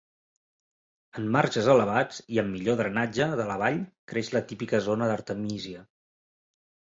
En marges elevats i amb millor drenatge de la vall creix la típica zona d'artemísia.